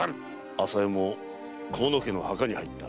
あさえも河野家の墓に入った。